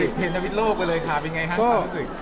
เสร็จเพลงทะวิทโลกไปเลยค่ะเป็นไงครับความรู้สึก